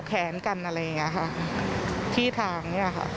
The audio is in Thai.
แขนกันอะไรอย่างนี้ค่ะที่ทางเนี่ยค่ะ